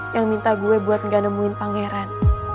yang minta gue buat gak nemuin pangeran